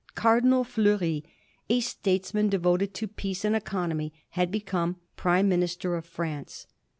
Cardinal Fleury, a statesman devoted to peace and economy, had become Prime Minister of France.